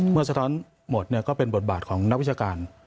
สะท้อนหมดก็เป็นบทบาทของนักวิชาการ